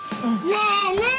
ねえねえ。